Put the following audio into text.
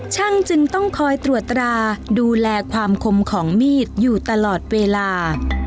ช่างจึงต้องคอยตรวจตราดูแลความคมของมีดอยู่ตลอดเวลา